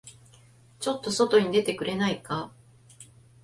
ちょっと外に出てくれないか。